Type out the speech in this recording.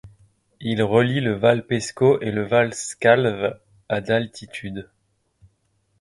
Il relie le val Paisco et le val Scalve à d'altitude.